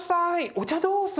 お茶どうぞ。